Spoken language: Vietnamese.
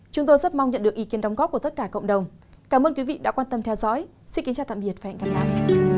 cảm ơn các bạn đã theo dõi và hẹn gặp lại